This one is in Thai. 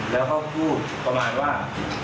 แล้วเขาพูดประมาณว่า